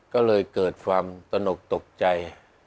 ก็เลยเกิดความตนกตกใจ